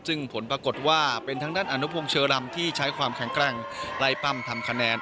ซึ่งผลปรากฏว่าเป็นทางด้านอนุพงศ์เชอรำที่ใช้ความแข็งแกร่งไล่ปั้มทำคะแนน